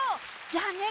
じゃあね